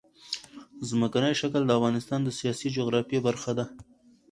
ځمکنی شکل د افغانستان د سیاسي جغرافیه برخه ده.